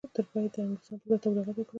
تر پایه یې د انګرېزانو پر ضد تبلیغات وکړل.